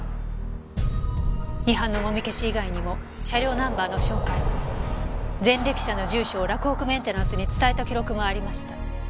違反のもみ消し以外にも車両ナンバーの照会前歴者の住所を洛北メンテナンスに伝えた記録もありました。